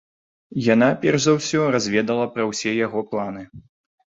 Яна перш за ўсё разведала пра ўсе яго планы.